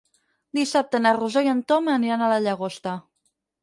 Dissabte na Rosó i en Tom aniran a la Llagosta.